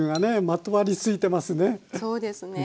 まとわりついてますね。